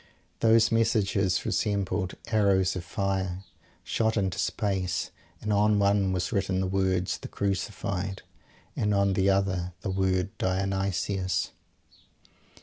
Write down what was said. Those messages resembled arrows of fire, shot into space; and on one was written the words "The Crucified" and on the other the word "Dionysus."